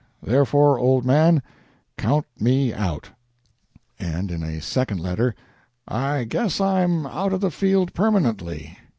Therefore, old man, count me out." And in a second letter: "I guess I'm out of the field permanently.